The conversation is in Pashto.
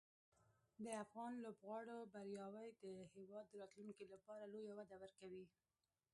د افغان لوبغاړو بریاوې د هېواد د راتلونکي لپاره لویه وده ورکوي.